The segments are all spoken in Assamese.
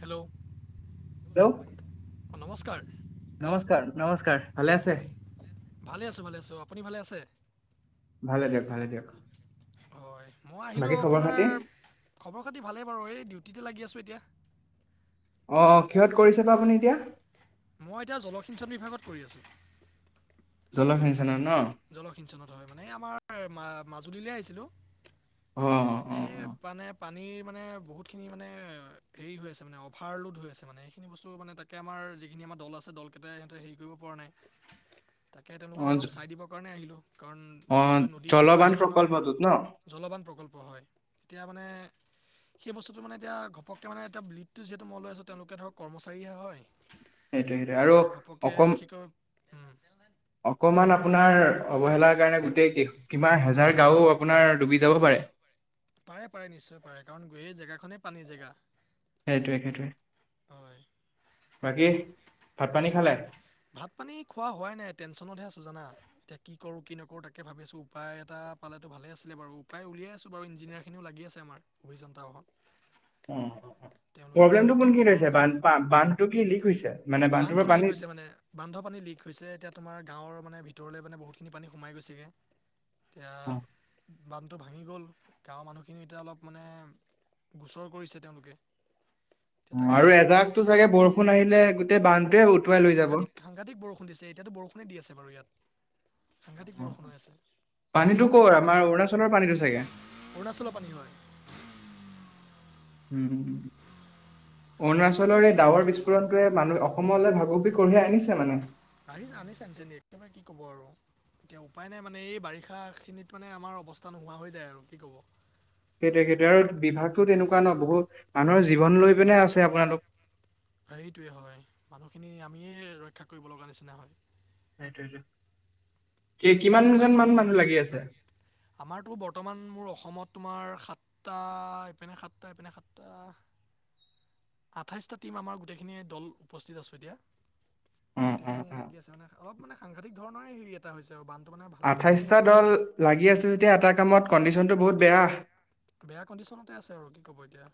হেল্ল'। দৌ অ' নমস্কাৰ। নমস্কাৰ নমস্কাৰ ভালে আছে ভালে আছোঁ, ভালে আছোঁ, আপুনি ভালে আছে। ভালে দিয়ক ভালে দিয়ক হয়, মই আহিলোঁ বাকী খবৰ খাতি আপোনাৰ খবৰ খাতি ভালেই বাৰু এই ডিউটি তে লাগি আছোঁ, এতিয়া। অ' কিহত কৰিছে বা আপুনি এতিয়া মই এতিয়া জলসিঞ্চন বিভাগত কৰি আছোঁ। জলসিঞ্চনৰ ন। জলসিঞ্চনত হয় মানে আমাৰ মাজুলীলৈ আহিছিলো অ অ অ এই বানেপ পানীৰ মানে বহুতখিনি মানে হেৰি হৈ আছে, মানে অভাৰ লোড হৈ আছে, মানে এইখিনি বস্তু মানে তাকে আমাৰ যিখিনি আমাৰ দল আছে, দল কেইটাই সিহঁতে হেৰি কৰিব পৰা নাই। তে তেওঁলোকক অ অলপ চাই দিব কাৰণে আহিলোঁ। কাৰণ অ বিশেষকৈ নদী বান্ধৰ জলবান এলেকা ন প্ৰকল্পটোত ন জলবান প্ৰকল্প। হয়, এতিয়া মানে। সেই বস্তুটো এতিয়া ঘপকে মানে এতিয়া লীডটো যিহেতু মই লৈ আছোঁ। তেওঁলোকে ধৰক কৰ্মচাৰীহে হয়। সেইটোৱেটো আৰু এতিয়া ঘপককৈ অকম। বিশেষকৈ উম, অকমান আপোনাৰ অৱহেলাৰ কাৰণে, গোটেই কিমান হেজাৰ গাওঁ আপোনাৰ ডুবি যাব পাৰে। [inaudible] পাৰে পাৰে নিশ্চয় পাৰে। কাৰণ গৈ এই জেগাখনে পানীৰ জেগা। সেইটোৱে, সেইটোৱে হয়। বাকী ভাত পানী খালে? ভাত পানী খোৱা হোৱাই নাই, টেনছনতহে আছোঁ জানা, এতিয়া কি কৰোঁ কি নকৰোঁ তাকে ভাবি আছোঁ উপায় এটা।। পালেটো ভালে আছিলে বাৰু। উপায় উলিয়াই আছোঁ বাৰু। ইঞ্জিনিয়াৰ খিনিও লাগি আছে, আমাৰ অভিযন্তাৰ সকল। অ', প্ৰব্লেমটো কোনখিনিত তেওঁলোকৰ হৈছে বান্ধটো কি লিক হৈছে মানে বান্ধটোৰ বান্ধটো পৰা লিক পানী হৈছে মানে বান্ধৰ পানী লিক হৈছে এতিয়া তোমাৰ গাঁৱৰ মানে ভিতৰলৈ মানে বহুতখিনি পানী সোমাই গৈছেগৈ এতিয়া অ বান্ধটো ভাঙি গ'ল গাঁৱৰ মানুহখিনি এতিয়া অলপ মানে গোচৰ কৰিছে তেওঁলোকে। এতিয়া অ' তাকে আৰু মানে এজাকতো চাগে বৰষুণ আহিলে গোটেই বান নাই সাংঘাতিক সাংঘাতিক বৰষুণ দিছে এতিয়া বৰষুণে দি আছে বাৰু ইয়াত সাংঘাতিক বৰষুণ হৈ আছে এই পানীটো কৰ অকমান আমাৰ আগতহে বৰষুণ অৰুণাচলৰ পানীটো আহিছে চাগে। অৰুণাচলৰ পানী হয় উম উম সাংঘাতিক পানী অৰুণাচলৰ হৈছে এই আপোনাৰ কি ডাৱৰ ক'ব আৰু বিস্ফোৰণটোৱে মানুহে অসমলৈ ভাবুকি কঢ়িয়াই আনিছে মানে আহি আনিছে, আনিছে [unintelligible] কি ক'ব আৰু। এতিয়া উপায় নাই মানে এই বাৰিষা খিনিত মানে আমাৰ অৱস্থা নোহোৱা হৈ যায় আৰু কি কব সেইটোয়ে সেইটো আৰু বিভাগতটো তেনেকুৱা ন বহুত মানুহৰ জীৱন লৈ পিনে আছে আপোনালোক সেইটোৱে হয় মানুহখিনি আমিয়ে ৰক্ষা কৰিব লগা নিচিনা হয় সেইটোৱেটো। বাকী আমাৰতো বৰ্তমান মোৰ অসমত তোমাৰ সাতটা ইপিনে সাতটা ইপিনে সাতটা আঠাইছটা টীম আমাৰ গোটেইখিনি দল উপস্থিত আছো এতিয়া অ অ গোটেইখিনিয়ে অ লাগিছে মে অলপ মানে সাংঘাতিক ধৰণৰে হেৰি এটা হৈছে আৰু বান আঠাইচটা দল লাগি আছে হৈছে যেতিয়া এটা কামত কণ্ডিচনটো বহুত বেয়া। বেয়া কণ্ডিশ্যনতে আছে আৰু কি কব এতিয়া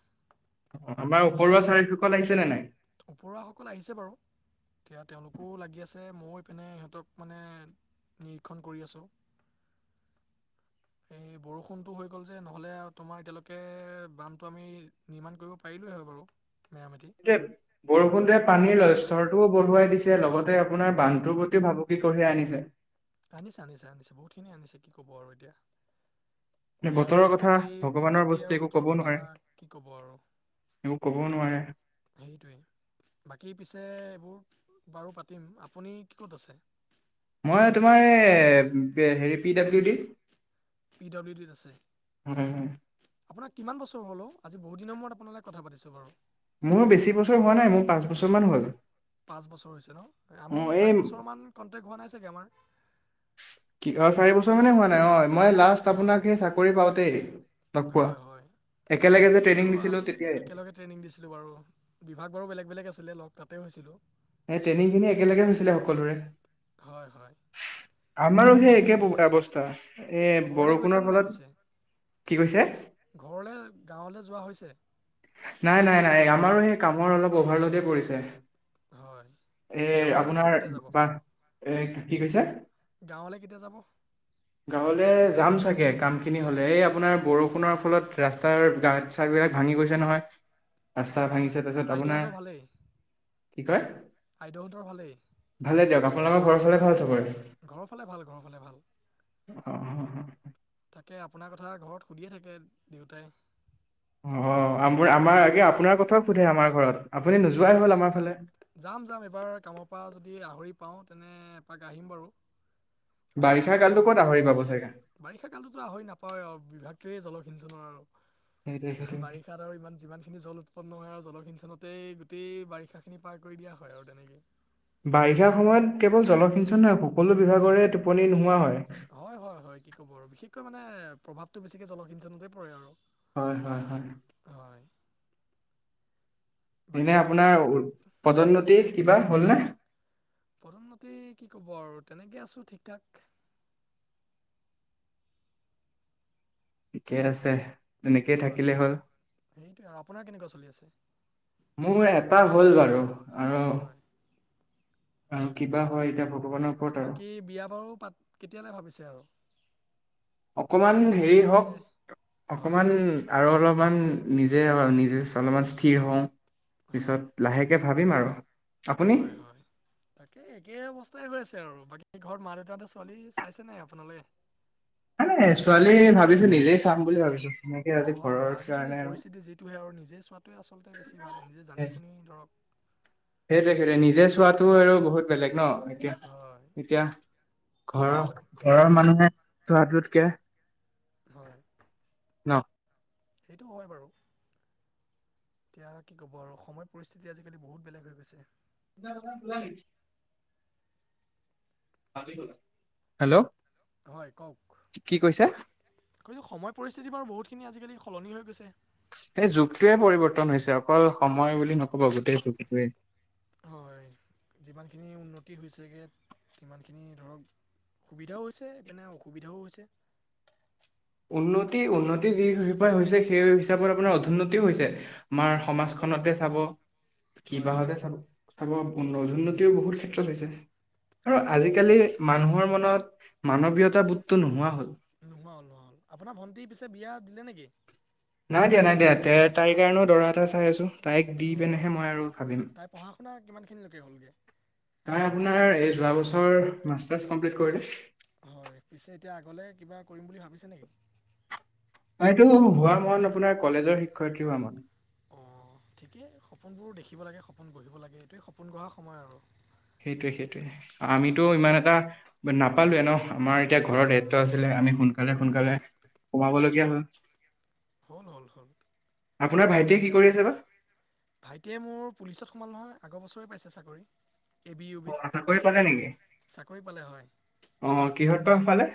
আমাৰ ওপৰুৱা চাৰিওখকল আহিছেনে নাই? ওপৰুৱাসকল আহিছে বাৰু। এতিয়া তেওঁলোকেও লাগি আছে, মও ইপিনে সিহঁতক মানে নিৰীক্ষণ কৰি আছো। এই বৰষুণতটো হৈ গ'ল যে, নহলে তোমাৰ এতিয়ালৈকে বানটো আমি নিৰ্মাণ কৰিব পাৰিলো বাৰু মেৰামতি সেইটোৱে বৰষুণটোৱে পানীৰ লস্থৰটোও বঢ়ুৱাই দিছে। লগতে আপোনাৰ বান্ধটোৰ প্ৰতিও ভাবুকি কঢ়িয়াই আনিছে। আনিছে আনিছে আনিছে বহুতখিনি আনিছে কি কব আৰু এতিয়া। এতিয়া বতৰৰ কথা প্ৰকৃতি ভগৱানৰ প্ৰকৃতি বস্তু আৰু একো ক'ব বতৰৰ নোৱাৰে কথা কি কব আৰু। একো কবও নোৱাৰে। সেইটোৱেই বাকী পিছে এইবোৰ বাৰু পাতিম আপুনি কি ক'ত আছে? মই তোমাৰ এই হেৰি P W D. P W ডিত আছে? উম', আপোনাৰ কিমান বছৰ হ'ল অ'? আজি বহুত দিনৰ মূৰত আপোনালৈ কথা পাছো বাৰু। মোৰো বেছি বছৰ হোৱা নাই মোৰ পাঁচ বছৰমান হ'ল। পাঁচ বছৰ হৈছে ন অ আমি এই চাৰি বছৰ মান কনটেক হোৱা নাই চাগে আমাৰ। কি কাৰ চাৰি বছৰ মানে হোৱা নাই অ', মই লাষ্ট আপোনাক হয় সেই চাকৰি পাওঁতেই লগ পোৱা। হয় হয় একেলগে যে তেতিয়া ট্ৰেইনিং আৰু দিছিলো আমি তেতিয়াই একেলগে ট্ৰেইনিং দিছিলো বাৰু বিভাগ বাৰো বেলেগ। বেলেগ আছিলে লগ তাতে হৈছিলো। এই ট্ৰেইনিং খিনি একেলগে হৈছিলে সকলোৰে। হয়', হয়', আমাৰো সেই তাকে একে অৱস্থা এ বৰষুণৰ ফলত কি কৈছে ঘৰলে গাঁৱলে যোৱা হৈছে? নাই', নাই', নাই', আমাৰো সেই কামৰ অলপ অভাৰলোডে পৰিছে। হয়', এৰ গাঁৱলৈ পিছে আপোনাৰ কেতিয়া যাব বা এ কি কৈছে? গাঁৱলৈ কেতিয়া যাব গাঁৱলে যাম চাগে কামখিনি হলে, এই আপোনাৰ বৰষুণৰ ফলত ৰাস্তাৰ গাত চাট বিলাক ভাঙি গৈছে। নহয় ৰাস্তা হয় হয় ভাঙিছে তাৰপিছত আইদেউহঁতৰ আপোনাৰ ভালেই কি কয় আইদেউহঁতৰ ভালেই? আপোনোকৰ ঘৰ ফালে ভাল চবৰে? ঘৰৰ ফালে ভাল ঘৰৰ ফালে ভাল অ', তাকে আপোনাৰ কথা ঘৰত সুধিয়ে থাকে দেউতাই। অ', আমাৰ আগে আপোনাৰ কথাও সোধে আমাৰ ঘৰত। আপুনি নোযোৱাই হ'ল হয়', আমাৰ ফালে যাম যাম এবাৰ কামৰ পৰা যদি আহৰি পাওঁ তেনে এপাক আহিম বাৰু। কাৰন বহুত বাৰিষা দিনৰ কালটো ক'ত মানুহজন আহৰি দেখাও পাব নাই, চাগে বাৰিষা কালতো আহৰি নাপাৱৱ আৰু বিভাগ সেতোৱে জলসিঞ্চনৰ সেইটোৱে সেইটো আৰু বাৰিষাত আৰু ইমান যিমান খিনি জল উৎপন্ন হয় আৰু জলসিঞ্চনত তাতে গোটেই বাৰিষা খিনি পাৰ কৰি দিয়া হয় আৰু তেনেকে। বাৰিষা সময়ত কেৱল জলসিঞ্চন নহয়, সকলো বিভাগৰে টোপনি নোহোৱাা হয়। হয়', হয়', হয়', কি ক'ব আৰু বিশেষকৈ মানে প্ৰভাৱতটো বেছিকে জলসিঞ্চনতে পৰে আৰু। হয়', হয়', হয়', হয় বাকী এনে আপুনি আপোনাৰ এতিয়া প্ৰদন্নতি কিবা হল নে? প্ৰদন্নতি কি কব আৰু তেনেকে আছো ঠিক ঠাক। ঠিকে আছে। তেনেকেই হয়', থাকিলে হ'ল। সেইটোয়ে আৰু আপোনাৰ কেনেকুৱা চলি আছে? মোৰ এটা হ'ল বাৰু আৰু হয় আৰু কিবা হয় যাব। বাকী বিয়া বাৰু পাত, কেতিয়ালৈ ভাবিছে আৰু? অকমান হেৰি চাকৰিও পালে হওঁক হয় অকমান আৰু অলপমান নিজে, নিজে অলপমান স্থিৰ হওঁ, হয় পিছত লাহেকে ভাবিম আৰু। আপুনি? হয়, হয় তাকেই একে অবচ গৈ আছে আৰু, বাকী ঘৰত মা, দেউতাহঁতে ছোৱালী চাইছে নাই আপোনালে? [unintelligible] ছোৱালী ভাবিছোঁ, নিজেই চাম বুলি ভাবিছোঁ। হয় হয় আজিকালি পৰিস্থিতি যিটোহে আৰু নিজে চোৱাটোৱে আচলতে বেছি ভাল নিজে জানি শুনি ধৰক সেইটোৱ সেই নিজে চোৱাতটো আৰু বহুত বেলেগ ন' এতিয়া হয় এতিয়া ঘৰৰ, ঘৰৰ মানুহে চোৱাটোতকে হয়। ন' সেইটো হয় বাৰু। এতিয়া কি ক'ব আৰু সময় পৰিস্থিতি আজিকালি বহুত বেলেগ হৈ গৈছে ফল আহেই। [inaudible] হেল্ল'! হয় কওক। কি কৈছে? কৈছো সময় পৰিস্থিতি বাৰু বহুত খিনি আজিকালি সলনি হৈ গৈছে। সেই যুগটোৱে পৰিৱৰ্তন হৈছে, অকল সময় বুলি নক'ব গোটেই যুগটোৱে হয় যিমানখিনি উন্নতি হৈছেগে সিমানখিনি ধৰক সুবিধাও হৈছে ইপিনে অসুবিধাও হৈছে। উন্নতি উন্নতি যি হি হৈছে সেই হিচাপত আপোনাৰ অধোন্নতিও হৈছে আমাৰ হৈছে অৱনতি সমাজখনতে, চাব হৈছে হয় হয় কিবাহতে চাব। নদোন্নতিও বহুত ক্ষেত্ৰত হৈছে আৰু হয় আজিকালি মানুহৰ মনত মানৱীয়তা বোধটো নোহোৱা হ'ল। [unintelligible] আপোনাৰ ভন্টি পিছে বিয়া দিলে নেকি? নাই দিয়া নাই দিয়া তে তাইৰ কাৰণেও দৰা এটা চাই আছো। তাইক দি পেনেহে মই আৰু ভাবিম। [unintelligible] হ'লগে। তাই আপোনাৰ যোৱাবছৰ মাস্তাৰ্চ কমপ্লিট কৰিলো। হয় পিছে এতিয়া আগলৈ কিবা কৰিম বুলি ভাবিছে নেকি? এইটো হোৱা মন আপোনাৰ কলেজৰ শিক্ষয়িত্ৰী হোৱা মন। অ', ঠিকেই সপোনবোৰো দেখিব লাগে সপোন গঢ়িব লাগে এইটোৱেই সপোন গঢ়া সময় আৰু। সেইটোৱে সেইটোৱে হয় আমিতো ইমান এটা নাপালোৱে ন'। আমাৰ এতিয়া ঘৰৰ হয় দায়িত্ব আছিলে আমি সোনকালে, সোনকালে হয় সোমাবলগীয়া হ'ল। হ'ল হ'ল হ'ল আপোনাৰ ভাইটিয়ে তাকে কি আৰু কৰি আছে বা ভাইটিয়ে মোৰ পুলিচত [unintelligible] নহয় আগৰ বছৰে পাইছে চাকৰি। এ বি ইউ অ বিধ চাকৰি পালে নেকি চাকৰি পালে হয়। অ', কিহত পালে?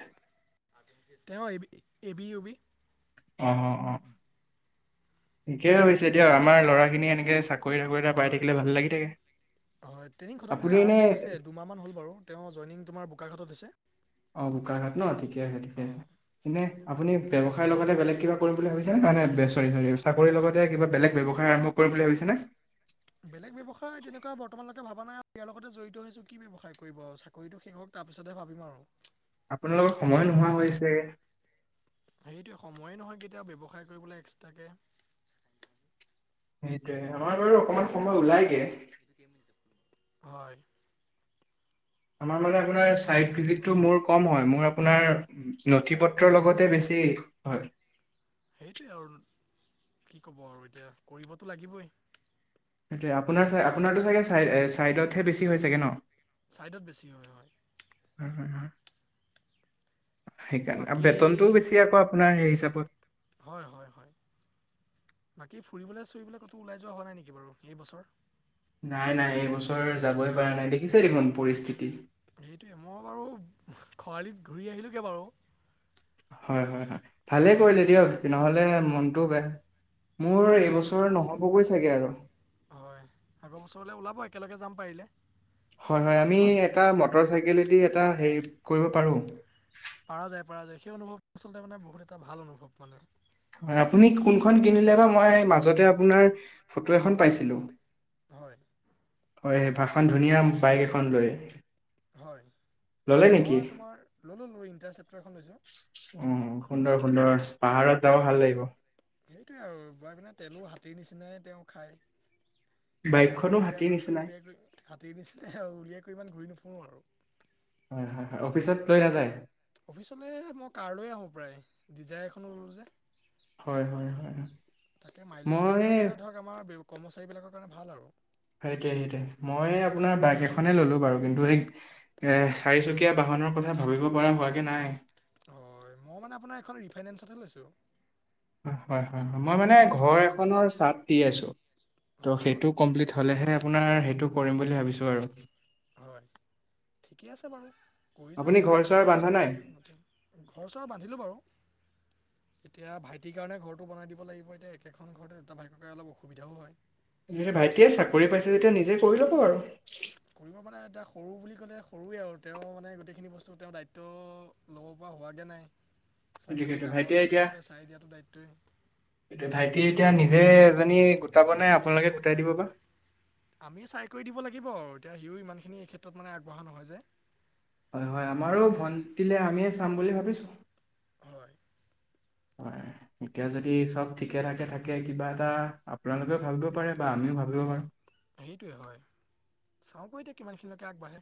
তেওঁ এবি-এবি উবি অ অ', অ', ঠিকেই হৈছে দিয়ক, আমাৰ ল'ৰাখিনি এনেকে চাক থ কৰিটা পাই হয় থাকিলে ভাল লাগি থাকে। হয়, ট্ৰেইনিং খতম কৰি আপুনি এনে আৰম্ভ হৈছে দুমাহ মান হ'ল বাৰু, তেওঁ জইনিং তোমাৰ বোকাখাতত হৈছে। অ', বোকাখাত ন' ঠিকে আছে, ঠিকে আছে অঁ এনে আপুনি ব্যৱসায়ৰ লগতে বেলেগ কিবা কৰিম বুলি ভাবিছেনে নে? চৰি, চৰি চাকৰিৰ লগতে কিবা বেলেগ ব্যৱসায় আৰম্ভ কৰি বুলি ভাবিছে নে? ভাবা নাই আৰু ইয়াৰ লগতে জড়িত হৈছো কি ব্যৱসায় কৰিব আৰু চাকৰিতটো শেষক তাৰ পিছতহে ভাবিম আৰু। আপোনাৰ লোকৰ সময় নোহোৱা হৈছে। সেইটোয়ে সময়ে নহয় কেতিয়াবা ব্যৱসায় কৰিবলৈ এক্সট্ৰাকে। সেইটোয়ে আমাৰ বাৰু অকনমান সময় ওলাইগে। হয়। আমাৰ মানে আপোনাৰ চাইট ভিজিট টো মোৰ কম হয়। মোৰ আপোনাৰ নথি পত্ৰৰ লগতে বেছি হয় সেইটোৱে আৰু কি ক'ব আৰু এতিয়া কৰিবতো লাগিবই সেইটোয়ে আপোনাৰ আপোনাৰতো চাগে চাই চাইডতহে বেছি হয় চাগে ন। ছাইডত বেছি হয়, হয়। উম সেইকাৰণে বাকী বেতনটোও বেছি আকৌ আপোনাৰ সেই হিচাপত। হয় হয় হয় বাকী ফুৰিবলৈ চুৰিবলৈ ক'তো ওলাই যোৱা হোৱা নাই নেকি। বাৰু এই বছৰ নাই নাই এইবছৰ যাবই পৰা নাই দেখিছে দেখোন পৰিস্থিতি। সেইটোৱে মই বাৰু খৰালিত ঘূৰি আহিলোগে বাউ হয়, হয়, হয় ভালেই কৰিলে দিয়ক সুবিধা নহ'লে উলিয়াই আৰু মনটোও বেয়া। মোৰ সেইটোৱে এইবছৰ মনটো নহ'বগৈ চাগে আৰু হয় আগৰ বছৰলে ওলাব একেলগে যাম মাৰিলে। হয়। হয় আমি এটা মটৰ চাইকলেদি এটা হেৰি কৰিব পাৰো। পাৰ যায় পাৰা যায় সেই অনুভৱ আচলতে মানে বহুত এটা ভাল অনুভৱ মানে হয় আপুনি কোনখন কিনিলে বা মই মাজতে আপোনাৰ ফটো এখন পাইছিলো। হয়। হয় ভাষণখন ধুনীয়া বাইক এখন লৈ হয়। ললে নেকি মই তোমাৰ লৈললো ইন্টাৰ চেপটাৰ লৈছো অ সুন্দৰ সুন্দৰ পাহাৰত যাব ভাল লাগিব সেইটোৱে আৰু বোৱাৰাই পিনে তেলো হাতীৰ নিচিনাই তেওঁ খাই। ইমান বাইকখনো উলিয়াই হাতীৰ লৈ গৈ নিচিনাই উলিয়াইৈ হাতী নিচিনা আৰু উলিয়াই কৰি ইমান ঘূৰি নুফুৰো আৰু। হয় হয় হয় অফিচত লৈ নাযায় অফিচলে মই কাৰ লৈ আহো প্ৰায় ডিজাইৰ এখনো ললো যে হয় হয় হয় মই কৰ্মচাৰী বিলাকৰ কাৰণে ভাল আৰু সেইটোৱে সেইটোৱেমই আপোনাৰ বাইক এখনে ললো বাৰু কিন্তু সেই চাৰিচকীয়া বাহন মনৰ কথা ভাবিব পৰা হোৱাগে নাই অ' মই মানে এই খন ৰি ফাইন্স কৰি লৈছো। হয়, হয়, হয়, হয় মই মানে ঘৰ নাই বাৰু এখনৰ চাট দি আছো। ত' হয় হয় সেইটো কমপ্লিট হ'লেহে আপোনাৰ সেইটো কৰিম বুলি ভাবিছো আৰু হয়। ঠিকেই আছে বাৰু কৰি আপুনি যাওক ঘৰ কাম চৰ বান্ধা কষ্ট নাই কৰিতি ঘৰ চৰ বান্ধিলো বাৰু। [inaudible] এতিয়া ভাইটিৰ কাৰণে ঘৰটো বনাই দিব লাগিব। এতিয়া একেখন ঘৰতে দুটা ভাইটে অলপ অসুবিধাও হয়। ভাইটিয়ে চাকৰি পাইছে। যেতিয়া নিজে কৰি ল'ব আৰু। কৰিব মানে এতিয়া সৰু বুলি ক'লে সৰুৱে আৰু তেওঁ মানে গোটেইখিনি বস্তু তেওঁৰ দায়িত্ব ল'ব পৰা হোৱাগৈ নাই। চাই সেইটো কৰি সেইটো ডাঙৰজন হিচাপে চাই দিয়াটো দায়িত্বই ভাইটি এতিয়া নিজে এজনী গোটাব? নাই আপোনালোকে গোটাই দিব বা। আমি চাই কৰি। হয়, হয় আমাৰো তাকে ভন্টীলে আমিয়ে চাম বুলি ভাবিছো। হয় হয় এতিয়া যদি চব ঠিকে থঠাকে থাকে কিবা এটা আপোনালোকেও ভাবিব পাৰে বা আমি তুমি ভাবিব পাৰু। সেইটোৱে হয় চাওক এতিয়া কিমান খিনিলকে আগবাঢ়ে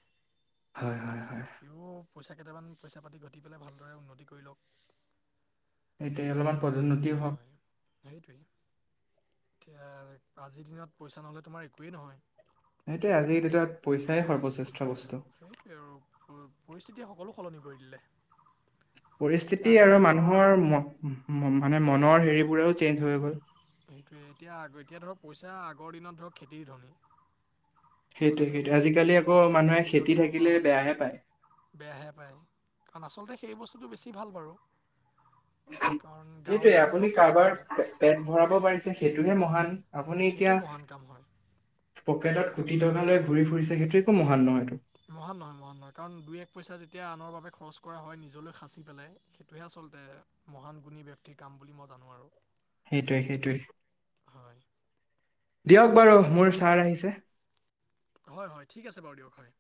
হয় হয় হয় সিও পইচা কেইটামান পইচা পাতি ঘটি পেলাই ভালদৰে উন্নতি কৰি লওক সেইটোয়ে অলপমান পদোন্নতিও হওক হয় সেইটোৱেই এতিয়া আজিৰ দিনত পইচা নহ'লে তোমাৰ একোৱেই নহয়। সেইটোয়ে আজিৰ দিনত পইচাই সৰ্বচেষ্ট। সেই সেৰো প পৰিস্থিতি সকলো সলনি কৰি দিলে এতিয়া পৰিস্থিতি আগৰ আৰু দিনৰ মানুহৰ মানে মনৰ হয় হেৰিবোৰেও চেঞ্জ হৈ গ'ল সেইটোৱে এতিয়া এতিয়া ধৰক পইচা আগৰ দিনত ধৰক খেতিৰ ধনি সেইটোৱে সেইটোৱে আজিকালি আকৌ মানুহে খেতিৰ ধনীও খেতি নোহোৱা থাকিলে হ'ল বেয়াহে পায়। বেয়াহে পায় কাৰণ আচলতে সেই বস্তুটো বেছি ভাল বাৰু কাৰণ সেইটোয়ে গাঁৱলীয়া আপুনি অনুভৱ থাকিব লাগে কাৰোবাৰ পেট ভৰাব পাৰিছে সেইটোহে মহান আপুনি এতিয়া সেইটোৱে মহান কাম হয় পকেটত কোটি টকা লৈ ঘূৰি ফুৰিছে সেইটো একো মহান নহয়টো। মহান নহয় মহান নহয় কাৰণ দুই এক পইচা যেতিয়া আনৰ বাবে খৰচ কৰা হয় নিজলৈ সাচি পেলাই সেইটোহে আচলতে মহান গুণী ব্যক্তিৰ কাম বুলি মই জানোঁ আৰু সেইটোৱে-সেইটোৱে হয় দিয়ক বাৰু মোৰ ছাৰ আহিছে। হয় হয় ঠিক আছে বাৰু দিয়ক হয়